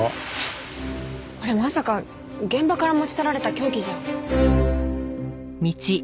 これまさか現場から持ち去られた凶器じゃ。